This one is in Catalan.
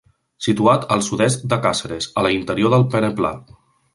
Situat al sud-est de Càceres, a l’interior del peneplà.